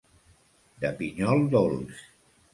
De pinyol dolç.